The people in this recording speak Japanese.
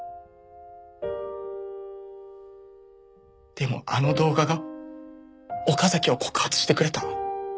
でもあの動画が岡崎を告発してくれた。